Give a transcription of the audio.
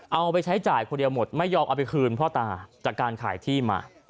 เอาไปใช้จ่ายคนเดียวหมดไม่ยอมเอาไปคืนพ่อตาจากการขายที่มา